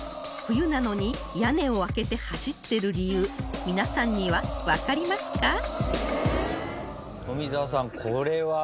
冬なのに屋根を開けて走ってる理由皆さんにはわかりますか？